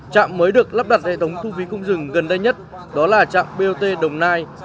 trạm mới được lắp đặt hệ thống thu phí không dừng gần đây nhất đó là trạm bot đồng nai